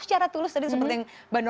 secara tulus tadi seperti yang bandung